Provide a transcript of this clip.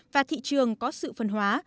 và thị trường có sự phân hóa